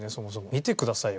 見てくださいよこれ。